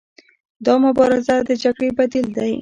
دا مبارزه د جګړې بدیل دی.